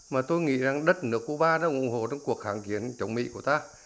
mà tôi nghĩ rằng đất nước cuba đã ủng hộ trong cuộc hạng kiến chống mỹ của ta